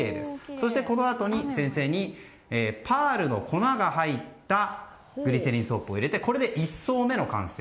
そしてこのあとパールの粉が入ったグリセリンソープを入れてこれで１層目の完成。